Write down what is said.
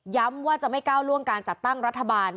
ว่าจะไม่ก้าวล่วงการจัดตั้งรัฐบาล